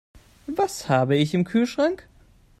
Was habe ich im Kühlschrank?